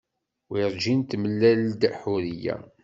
Werjin temlal-d Ḥuriya.